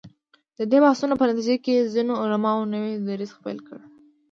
د دې بحثونو په نتیجه کې ځینو علماوو نوی دریځ خپل کړ.